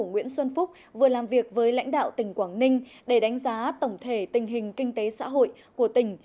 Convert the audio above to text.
nguyễn xuân phúc vừa làm việc với lãnh đạo tỉnh quảng ninh để đánh giá tổng thể tình hình kinh tế xã hội của tỉnh